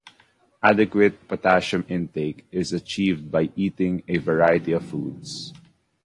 Adequate potassium intake is achieved by eating a variety of foods.